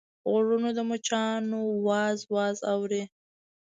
غوږونه د مچانو واز واز اوري